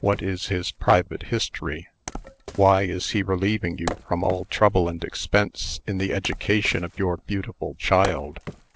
What is his private history? Why is he relieving you from all trouble and expense in the education of your beautiful child?